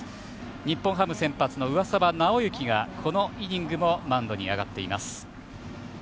日本ハム先発の上沢直之がこのイニングもマウンドに上がっています。